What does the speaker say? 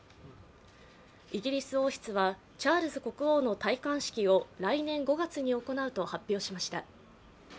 イギリス王室は、チャールズ国王の戴冠式を来年５月に行うと発表しました。